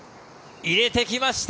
入れてきました